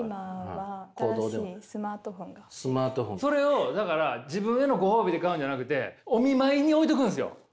今はそれをだから自分へのご褒美で買うんじゃなくてお見舞いに置いとくんですよ。